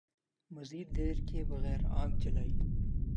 مزید دیر کئے بغیر آگ جلائی